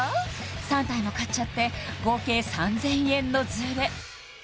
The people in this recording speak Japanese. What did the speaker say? ３体も買っちゃって合計３０００円のズレ